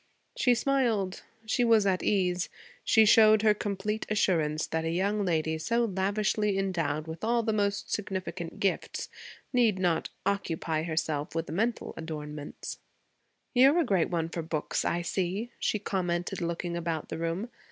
She smiled, she was at ease; she showed her complete assurance that a young lady so lavishly endowed with all the most significant gifts, need not occupy herself with mental adornments. 'You're a great one for books, I see,' she commented, looking about the room.